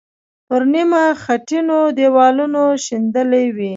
پر نیمه خټینو دیوالونو شیندلې وې.